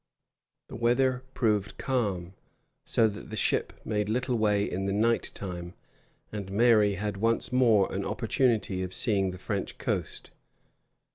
The weather proved calm, so that the ship made little way in the night time; and Mary had once more an opportunity of seeing the French coast.